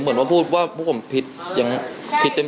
เหมือนว่าพูดว่าผู้ของผมผิดเต็ม